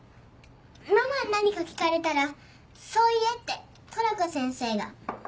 ママに何か聞かれたらそう言えってトラコ先生が。